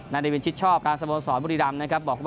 นาฬิวินชิดชอบการสโมสรบุรีรัมนะครับ